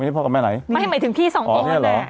มายูนับไหมคะ